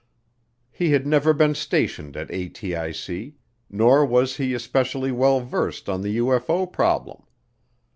He had never been stationed at ATIC, nor was he especially well versed on the UFO problem.